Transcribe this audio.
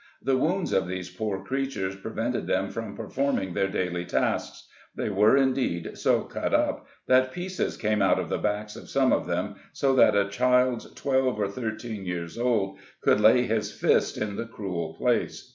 The wounds of these poor creatures prevented them from performing their daily tasks. They were, indeed, so cut up, that pieces came out of the backs of some of them, so that a child twelve or thirteen years old could lay his fist in the cruel place.